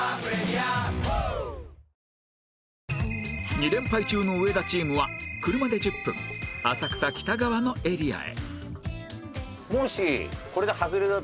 ２連敗中の上田チームは車で１０分浅草北側のエリアへ